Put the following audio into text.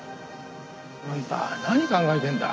あんた何考えてるんだ！